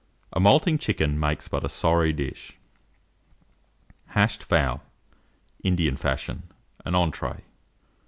A moulting chicken makes but a sorry dish. HASHED FOWL, Indian Fashion (an Entree). 957.